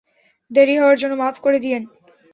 দেরি হওয়ার জন্য মাফ করে দিয়েন।